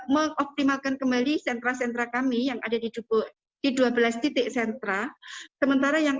mengoptimalkan kembali sentra sentra kami yang ada di jepang di dua belas tra sementara yang